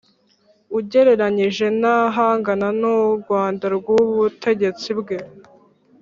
Ugereranyije n ahangana n u rwanda rw ubu ubutegetsi bwe